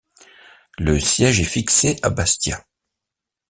Le siège est fixé à Bastia.